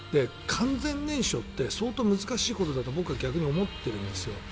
完全燃焼って相当難しいことだと僕は逆に思ってるんです。